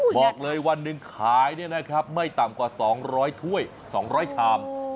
บอกเลยวันหนึ่งขายไม่ต่ำกว่า๒๐๐ถ้วย๒๐๐ชาม